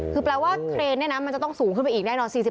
คือแปลว่าเครนมันจะต้องสูงขึ้นไปอีกแน่นอน